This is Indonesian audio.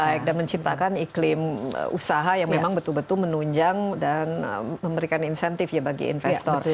baik dan menciptakan iklim usaha yang memang betul betul menunjang dan memberikan insentif ya bagi investor